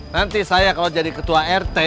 nanti saya kalau jadi ketua rt